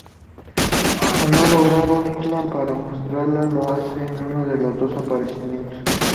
Al no lograr un stand para mostrarla, lo hace en uno de los aparcamientos.